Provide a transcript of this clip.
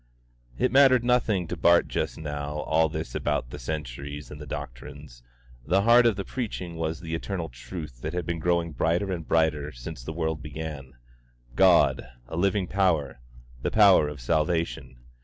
It mattered nothing to Bart just now all this about the centuries and the doctrines; the heart of the preaching was the eternal truth that has been growing brighter and brighter since the world began God, a living Power, the Power of Salvation.